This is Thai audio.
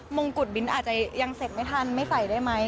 งงกุฎบิ้นอาจจะยังเสร็จไม่ทันไม่ใส่ได้ไหม